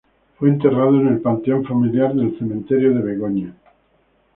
Fue enterrado en el panteón familiar del Cementerio de Begoña.